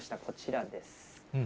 こちらです。